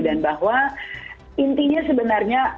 dan bahwa intinya sebenarnya apapun